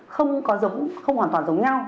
không hoàn toàn giống nhau